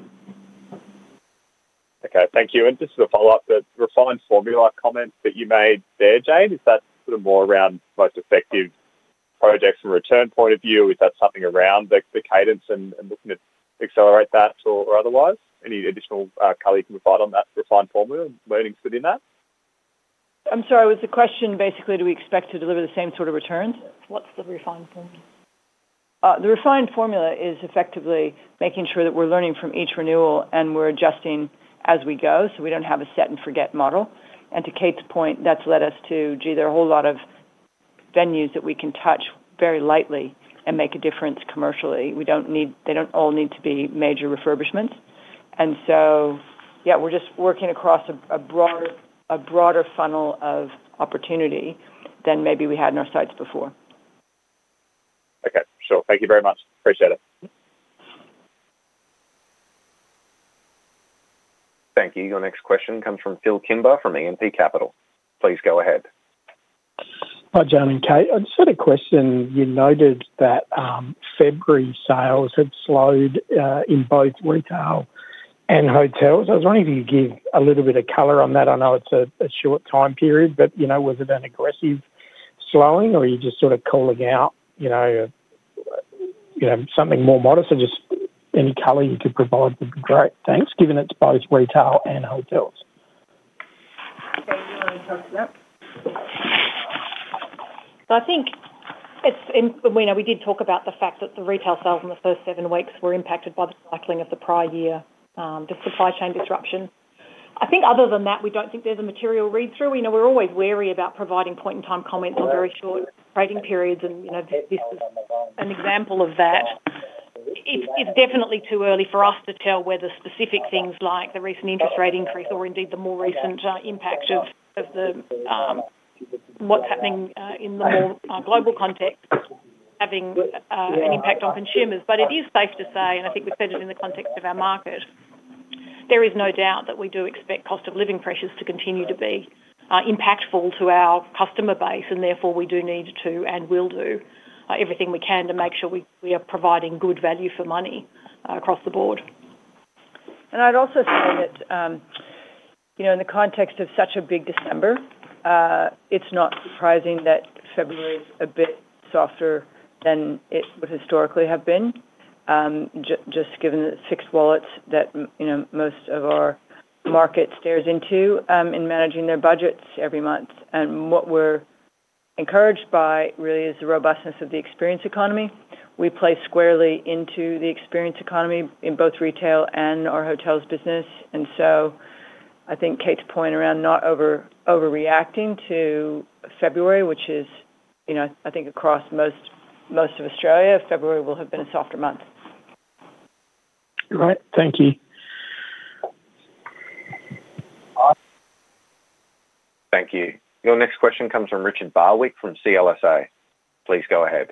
Okay. Thank you. Just as a follow-up, the refined formula comment that you made there, Jayne, is that sort of more around most effective projects and return point of view? Is that something around the cadence and looking at accelerate that or otherwise? Any additional color you can provide on that refined formula and learnings within that? I'm sorry. Was the question basically, do we expect to deliver the same sort of returns? What's the refined formula? The refined formula is effectively making sure that we're learning from each renewal, and we're adjusting as we go, so we don't have a set and forget model. To Kate's point, that's led us to, gee, there are a whole lot of venues that we can touch very lightly and make a difference commercially. They don't all need to be major refurbishments. Yeah, we're just working across a broader funnel of opportunity than maybe we had in our sights before. Okay. Sure. Thank you very much. Appreciate it. Thank you. Your next question comes from Phil Kimber from E&P Capital. Please go ahead. Hi, Jayne and Kate. I just had a question. You noted that February sales had slowed in both retail and hotels. I was wondering if you could give a little bit of color on that. I know it's a short time period, but, you know, was it an aggressive slowing, or are you just sort of calling out, you know, something more modest? Just any color you could provide would be great. Thanks. Given it's both retail and hotels. Kate, do you wanna talk to that? I think you know, we did talk about the fact that the retail sales in the first seven weeks were impacted by the cycling of the prior year, the supply chain disruption. I think other than that, we don't think there's a material read-through. We know we're always wary about providing point-in-time comments on very short trading periods and, you know, this is an example of that. It's definitely too early for us to tell whether specific things like the recent interest rate increase or indeed the more recent impact of the what's happening in the more global context having an impact on consumers. It is safe to say, and I think we've said it in the context of our market, there is no doubt that we do expect cost of living pressures to continue to be impactful to our customer base, and therefore we do need to and will do everything we can to make sure we are providing good value for money across the board. I'd also say that, you know, in the context of such a big December, it's not surprising that February is a bit softer than it would historically have been, just given the six wallets that, you know, most of our market stares into in managing their budgets every month. What we're encouraged by really is the robustness of the experience economy. We play squarely into the experience economy in both retail and our hotels business. I think Kate's point around not overreacting to February, which is, you know, I think across most of Australia, February will have been a softer month. All right. Thank you. Thank you. Your next question comes from Richard Barwick from CLSA. Please go ahead.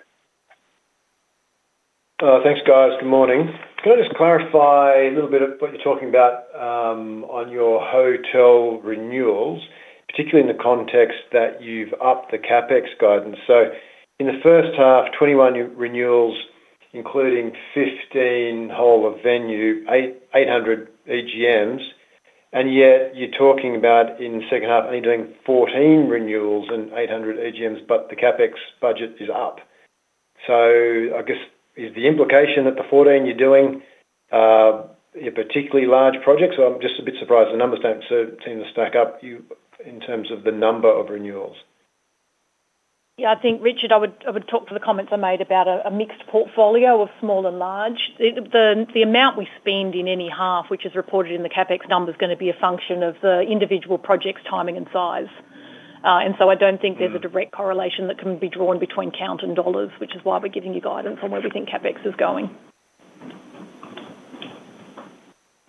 Thanks, guys. Good morning. Can I just clarify a little bit of what you're talking about on your hotel renewals, particularly in the context that you've upped the CapEx guidance? In the first half, 21 renewals, including 15 whole of venue, 800 EGMs, and yet you're talking about in the second half only doing 14 renewals and 800 EGMs, but the CapEx budget is up. I guess, is the implication that the 14 you're doing are particularly large projects? I'm just a bit surprised the numbers don't seem to stack up in terms of the number of renewals. Yeah. I think, Richard, I would talk to the comments I made about a mixed portfolio of small and large. The amount we spend in any half, which is reported in the CapEx number, is gonna be a function of the individual project's timing and size. I don't think there's a direct correlation that can be drawn between count and dollars, which is why we're giving you guidance on where we think CapEx is going.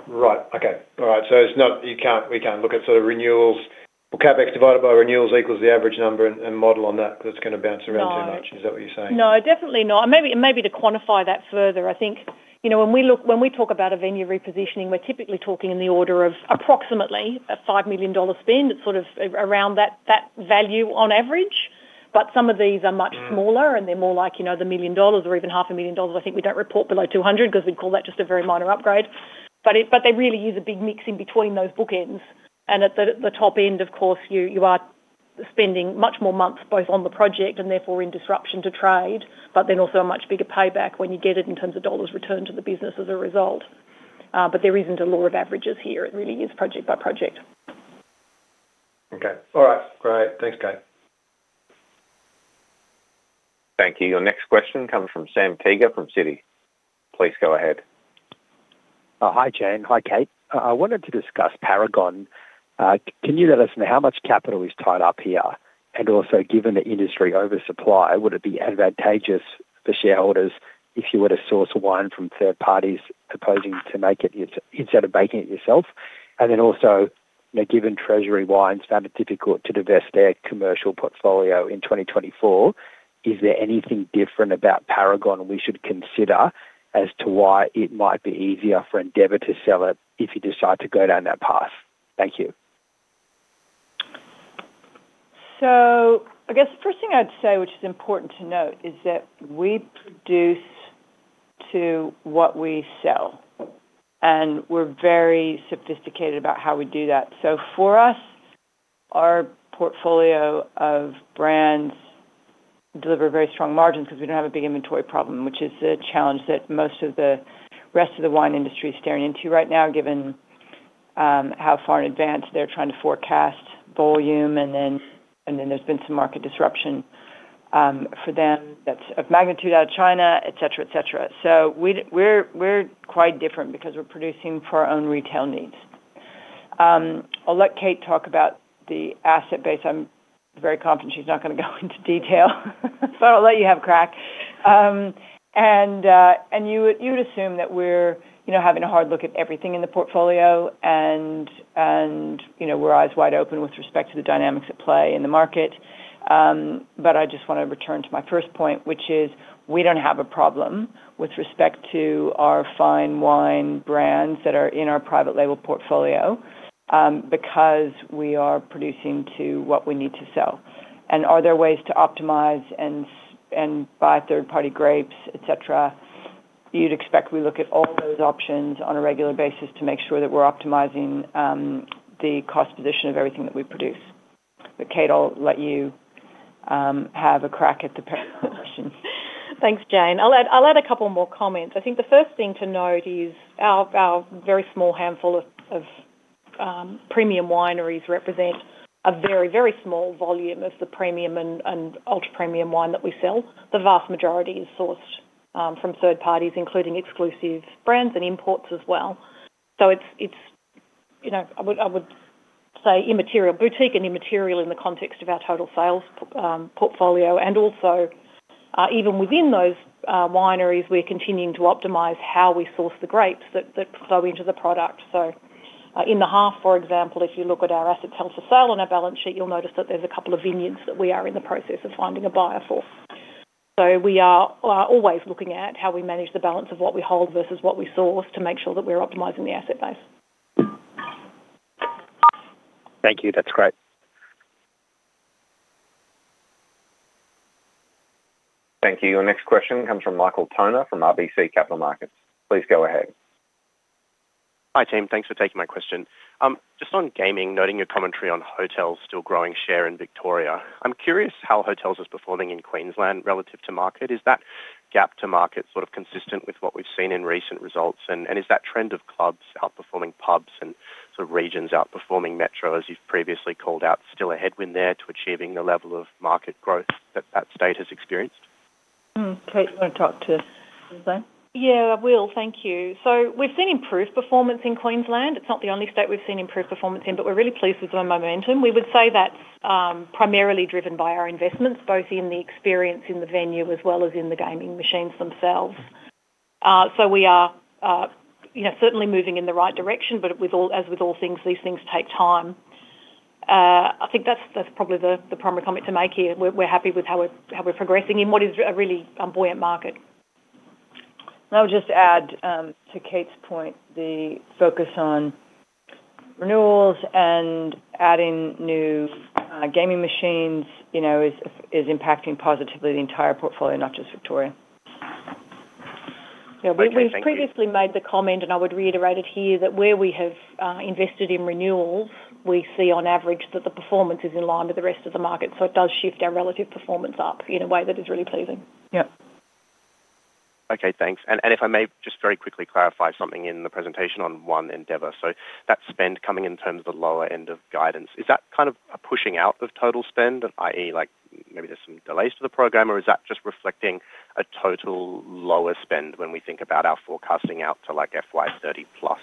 Right. Okay. All right. It's not, we can't look at sort of renewals. CapEx divided by renewals equals the average number and model on that because it's going to bounce around too much. Is that what you're saying? No, definitely not. Maybe to quantify that further, I think, you know, when we talk about a venue repositioning, we're typically talking in the order of approximately an 5 million dollar spend. It's sort of around that value on average. Some of these are much smaller, and they're more like, you know, an 1 million dollars or even 500,000 dollars. I think we don't report below 200 because we'd call that just a very minor upgrade. They really use a big mix in between those bookends. At the top end, of course, you are spending much more months both on the project and therefore in disruption to trade, but then also a much bigger payback when you get it in terms of dollars returned to the business as a result. There isn't a law of averages here. It really is project by project. Okay. All right. Great. Thanks, Kate. Thank you. Your next question comes from Sam Teeger from Citi. Please go ahead. Hi, Jayne. Hi, Kate. I wanted to discuss Paragon. Can you let us know how much capital is tied up here? Given the industry oversupply, would it be advantageous for shareholders if you were to source wine from third parties opposing to make it instead of making it yourself? Given Treasury Wine's found it difficult to divest their commercial portfolio in 2024, is there anything different about Paragon we should consider as to why it might be easier for Endeavour to sell it if you decide to go down that path? Thank you. I guess the first thing I'd say, which is important to note, is that we produce to what we sell, and we're very sophisticated about how we do that. For us, our portfolio of brands deliver very strong margins because we don't have a big inventory problem, which is a challenge that most of the rest of the wine industry is staring into right now, given how far in advance they're trying to forecast volume. Then, there's been some market disruption for them that's of magnitude out of China, et cetera, et cetera. We're quite different because we're producing for our own retail needs. I'll let Kate talk about the asset base. I'm very confident she's not gonna go into detail, so I'll let you have a crack. You would assume that we're, you know, having a hard look at everything in the portfolio and, you know, we're eyes wide open with respect to the dynamics at play in the market. I just want to return to my first point, which is we don't have a problem with respect to our fine wine brands that are in our private label portfolio because we are producing to what we need to sell. Are there ways to optimize and buy third-party grapes, et cetera? You'd expect we look at all those options on a regular basis to make sure that we're optimizing the cost position of everything that we produce. Kate, I'll let you have a crack at the Paragon question. Thanks, Jayne. I'll add a couple more comments. I think the first thing to note is our very small handful of premium wineries represent a very, very small volume of the premium and ultra-premium wine that we sell. The vast majority is sourced from third parties, including exclusive brands and imports as well. It's, you know, I would say immaterial. Boutique and immaterial in the context of our total sales portfolio, and also, even within those wineries, we're continuing to optimize how we source the grapes that flow into the product. In the half, for example, if you look at our assets held for sale on our balance sheet, you'll notice that there's a couple of vineyards that we are in the process of finding a buyer for. We are always looking at how we manage the balance of what we hold versus what we source to make sure that we're optimizing the asset base. Thank you. That's great. Thank you. Your next question comes from Michael Toner from RBC Capital Markets. Please go ahead. Hi, team. Thanks for taking my question. Just on gaming, noting your commentary on hotels still growing share in Victoria. I'm curious how hotels is performing in Queensland relative to market. Is that gap to market sort of consistent with what we've seen in recent results? Is that trend of clubs outperforming pubs and sort of regions outperforming metro, as you've previously called out, still a headwind there to achieving the level of market growth that that state has experienced? Kate, you want to talk to Queensland? I will. Thank you. We've seen improved performance in Queensland. It's not the only state we've seen improved performance in, but we're really pleased with the momentum. We would say that's primarily driven by our investments, both in the experience in the venue as well as in the gaming machines themselves. We are, you know, certainly moving in the right direction, but as with all things, these things take time. I think that's probably the primary comment to make here. We're happy with how we're progressing in what is a really buoyant market. I'll just add, to Kate's point, the focus on renewals and adding new, gaming machines, you know, is impacting positively the entire portfolio, not just Victoria. Great. Thank you. We've previously made the comment, and I would reiterate it here, that where we have invested in renewals, we see on average that the performance is in line with the rest of the market. It does shift our relative performance up in a way that is really pleasing. Yeah. Okay, thanks. If I may just very quickly clarify something in the presentation on One Endeavour. That spend coming in terms of the lower end of guidance, is that kind of a pushing out of total spend, i.e., like maybe there's some delays to the program, or is that just reflecting a total lower spend when we think about our forecasting out to like FY 2030 plus?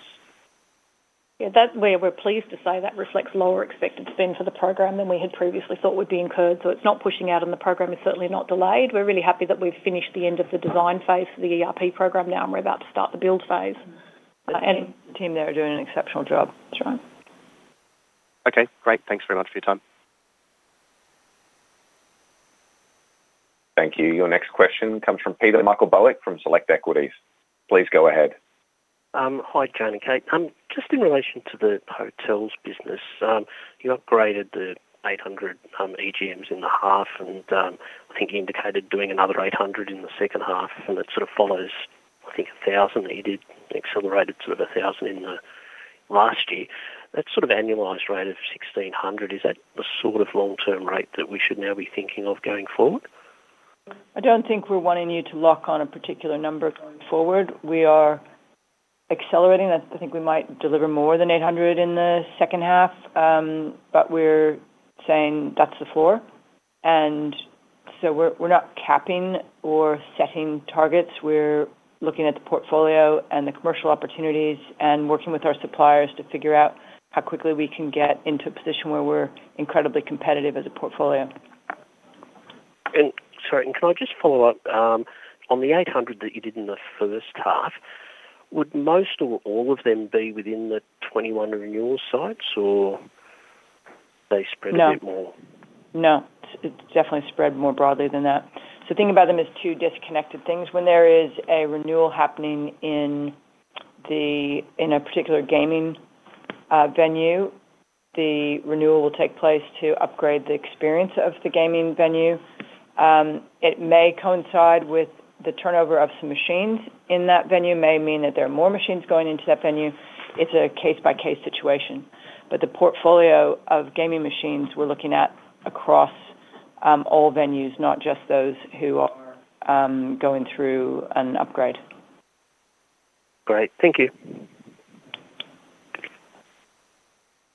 Yeah, that we're pleased to say that reflects lower expected spend for the program than we had previously thought would be incurred. It's not pushing out on the program. It's certainly not delayed. We're really happy that we've finished the end of the design phase for the ERP program now, and we're about to start the build phase. The team there are doing an exceptional job. That's right. Okay, great. Thanks very much for your time. Thank you. Your next question comes from Peter Meichelboeck from Select Equities. Please go ahead. Hi, Jayne and Kate. Just in relation to the hotels business, you upgraded the 800 EGMs in the half, and I think you indicated doing another 800 in the second half, and it sort of follows, I think 1,000 that you did, accelerated sort of 1,000 in the last year. That sort of annualized rate of 1,600, is that the sort of long-term rate that we should now be thinking of going forward? I don't think we're wanting you to lock on a particular number going forward. We are accelerating. I think we might deliver more than 800 in the second half, but we're saying that's the floor. We're not capping or setting targets. We're looking at the portfolio and the commercial opportunities and working with our suppliers to figure out how quickly we can get into a position where we're incredibly competitive as a portfolio. Sorry, can I just follow up, on the 800 that you did in the first half, would most or all of them be within the 21 renewal sites, or are they? No. A bit more? It's definitely spread more broadly than that. Think about them as two disconnected things. When there is a renewal happening in the, in a particular gaming venue, the renewal will take place to upgrade the experience of the gaming venue. It may coincide with the turnover of some machines in that venue, may mean that there are more machines going into that venue. It's a case-by-case situation. The portfolio of gaming machines we're looking at across, all venues, not just those who are, going through an upgrade. Great. Thank you.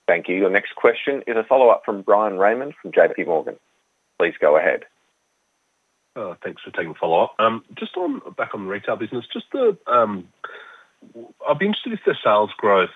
Thank you. Your next question is a follow-up from Bryan Raymond from J.P. Morgan. Please go ahead. Thanks for taking the follow-up. Just on back on the retail business, I'd be interested if the sales growth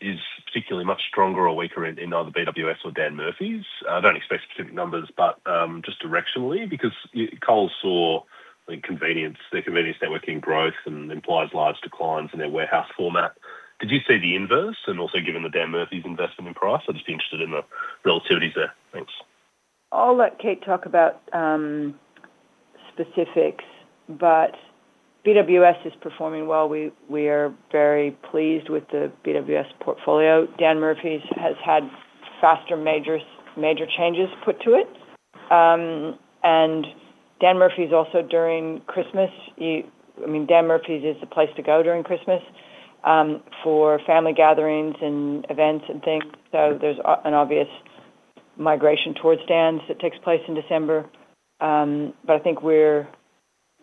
is particularly much stronger or weaker in either BWS or Dan Murphy's. I don't expect specific numbers, but just directionally, because Coles saw, I think, convenience, their convenience networking growth and implies large declines in their warehouse format. Did you see the inverse? Also given the Dan Murphy's investment in price, I'd just be interested in the relativities there. Thanks. I'll let Kate talk about specifics, but BWS is performing well. We are very pleased with the BWS portfolio. Dan Murphy's has had faster major changes put to it. And Dan Murphy's also during Christmas, I mean, Dan Murphy's is the place to go during Christmas for family gatherings and events and things. There's an obvious migration towards Dan's that takes place in December. But I think we're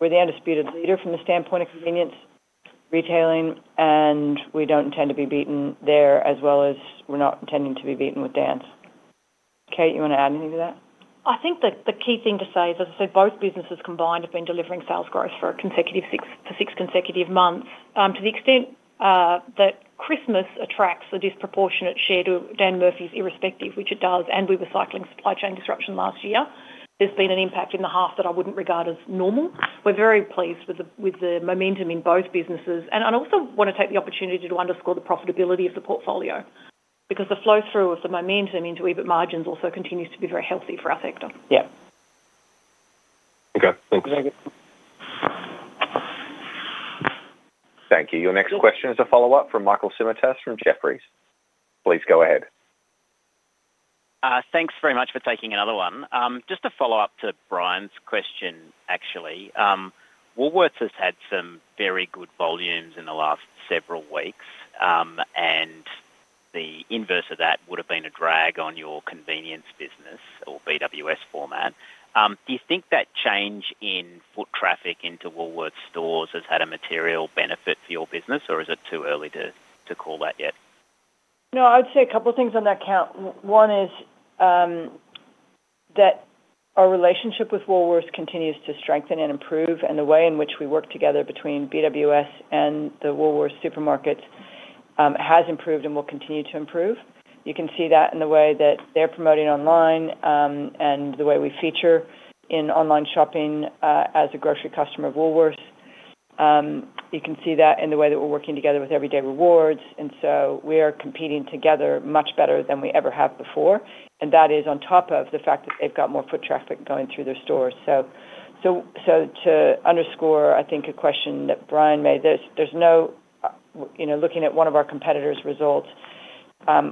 the undisputed leader from the standpoint of convenience retailing, and we don't intend to be beaten there as well as we're not intending to be beaten with Dan's. Kate, you wanna add anything to that? I think the key thing to say is that both businesses combined have been delivering sales growth for 6 consecutive months. To the extent that Christmas attracts a disproportionate share to Dan Murphy's irrespective, which it does, and we were cycling supply chain disruption last year, there's been an impact in the half that I wouldn't regard as normal. We're very pleased with the momentum in both businesses. I'd also wanna take the opportunity to underscore the profitability of the portfolio because the flow through of the momentum into EBIT margins also continues to be very healthy for our sector. Yeah. Okay, thanks. Thank you. Your next question is a follow-up from Michael Simotas from Jefferies. Please go ahead. Thanks very much for taking another one. Just a follow-up to Bryan's question. Woolworths Group has had some very good volumes in the last several weeks, and the inverse of that would have been a drag on your convenience business or BWS format. Do you think that change in foot traffic into Woolworths stores has had a material benefit for your business, or is it too early to call that yet? No, I would say a couple of things on that count. One is, that our relationship with Woolworths continues to strengthen and improve, and the way in which we work together between BWS and the Woolworths supermarkets has improved and will continue to improve. You can see that in the way that they're promoting online, and the way we feature in online shopping as a grocery customer of Woolworths. You can see that in the way that we're working together with Everyday Rewards. We are competing together much better than we ever have before. That is on top of the fact that they've got more foot traffic going through their stores. To underscore, I think, a question that Bryan made, there's no, you know, looking at one of our competitors' results,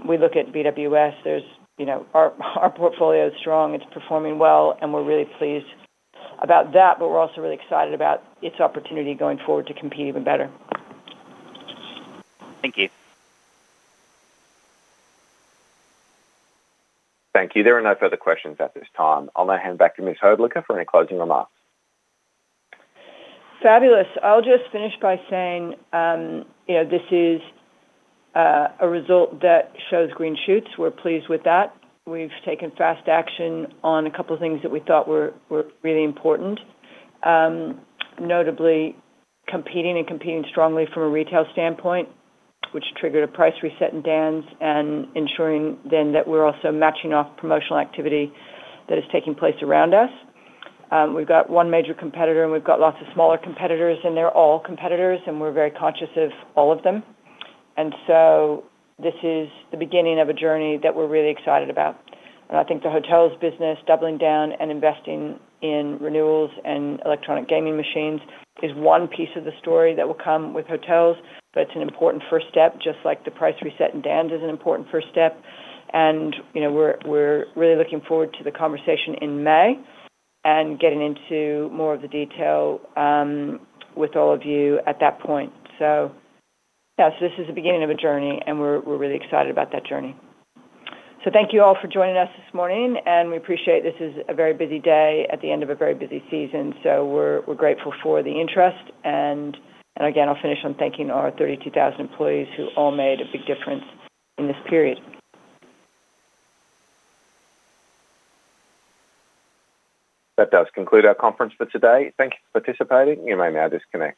we look at BWS, you know, our portfolio is strong, it's performing well, and we're really pleased about that, but we're also really excited about its opportunity going forward to compete even better. Thank you. Thank you. There are no further questions at this time. I'll now hand back to Ms. Hrdlicka for any closing remarks. Fabulous. I'll just finish by saying, you know, this is a result that shows green shoots. We're pleased with that. We've taken fast action on a couple of things that we thought were really important, notably competing and competing strongly from a retail standpoint, which triggered a price reset in Dan's and ensuring then that we're also matching off promotional activity that is taking place around us. We've got one major competitor and we've got lots of smaller competitors, and they're all competitors and we're very conscious of all of them. This is the beginning of a journey that we're really excited about. I think the hotels business doubling down and investing in renewals and electronic gaming machines is one piece of the story that will come with hotels, but it's an important first step, just like the price reset in Dan's is an important first step. You know, we're really looking forward to the conversation in May and getting into more of the detail with all of you at that point. Yeah. This is the beginning of a journey, and we're really excited about that journey. Thank you all for joining us this morning, and we appreciate this is a very busy day at the end of a very busy season. We're grateful for the interest. And again, I'll finish on thanking our 32,000 employees who all made a big difference in this period. That does conclude our conference for today. Thank you for participating. You may now disconnect.